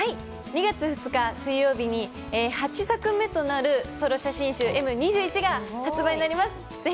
２月２日水曜日に８作目となるソロ写真集、「Ｍ．２１」が発売になります。